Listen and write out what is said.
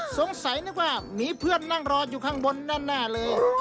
สงสัยนึกว่ามีเพื่อนนั่งรออยู่ข้างบนแน่เลย